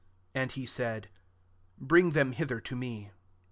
18 And he said, '* Bring them hither to me."